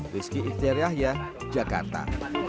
rizky ihter yahya jakarta